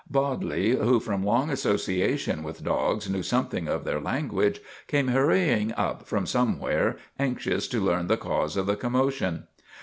Bodley, who, from long association with dogs, knew something of their language, came hurrying up from somewhere, anxious to learn the cause of the commotion.